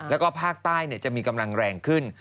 แล้วก็ภาคใต้จะมีกำลังแรงขึ้น